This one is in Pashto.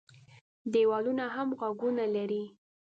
دېوالونه هم غوږونه لري.